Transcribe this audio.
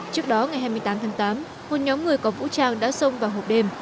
trước đó ngày hai mươi tám tháng tám một nhóm người có vũ trang đã xông vào hộp đêm